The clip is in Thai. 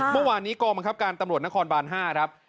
เมื่อวานนี้กองบังคับการตำรวจนครบาน๕ครับ